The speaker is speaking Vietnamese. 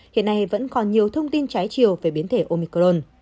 hiện nay vẫn còn nhiều thông tin trái chiều về biến thể omicron